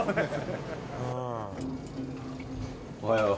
おはよう。